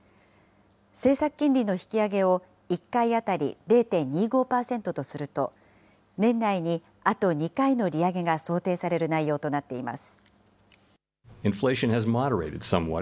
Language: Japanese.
政策金利の引き上げを１回当たり０．２５％とすると、年内にあと２回の利上げが想定される内容となっています。